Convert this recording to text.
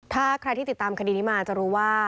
ถ้าใครที่ติดตามคดีนี้มาจะรู้ว่า